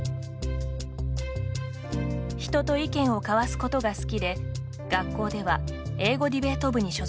人と意見を交わすことが好きで学校では英語ディベート部に所属。